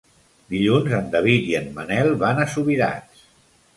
Dilluns en David i en Manel van a Subirats.